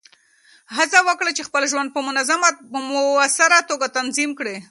هڅه وکړه چې خپل ژوند په مؤثره توګه تنظیم کړې.